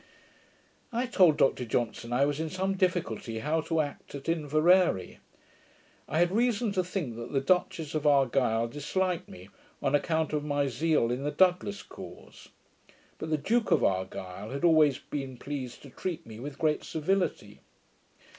I told Dr Johnson I was in some difficulty how to act at Inveraray. I had reason to think that the Duchess of Argyle disliked me, on account of my zeal in the Douglas cause; but the Duke of Argyle had always been pleased to treat me with great civility.